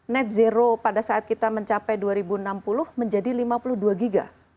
net zero pada saat kita mencapai dua ribu enam puluh menjadi lima puluh dua giga